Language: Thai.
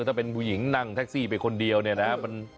ถ้าเป็นผู้หญิงนั่งแท็กซี่ไปคนเดียวเนี่ยนะ